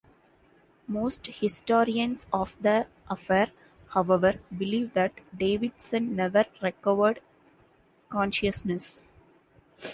Most historians of the affair, however, believe that Davidson never recovered consciousness.